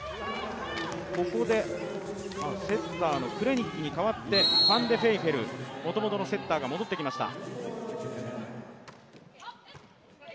ここでセッターのクレニッキに代わってファンデフェイフェル、もともとのセッターが戻ってきました。